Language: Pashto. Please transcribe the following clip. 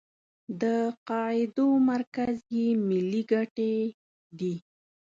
د قاعدو مرکز یې ملي ګټې دي.